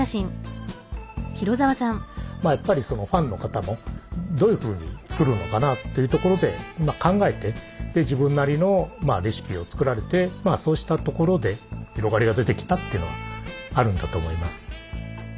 やっぱりそのファンの方もどういうふうに作るのかなっていうところで考えて自分なりのレシピを作られてそうしたところで広がりが出てきたっていうのはあるんだと思います。